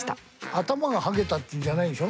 頭がハゲたっていうんじゃないでしょ？